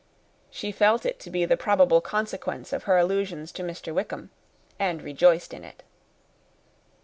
She felt it to be the probable consequence of her allusions to Mr. Wickham, and rejoiced in it.